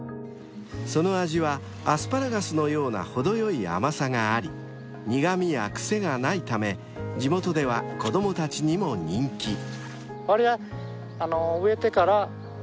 ［その味はアスパラガスのような程よい甘さがあり苦味や癖がないため地元では子供たちにも人気］